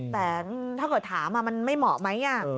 แต่ถ้าเกิดถามมันไม่เหมาะไหม